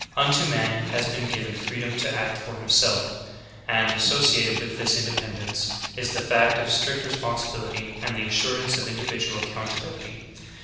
Unto man has been given freedom to act for him self; and, associated with tliis independence, is the fact of strict responsibility and the assurance of individual account ability.